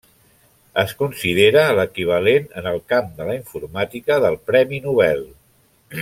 Es considera l'equivalent en el camp de la Informàtica del Premi Nobel.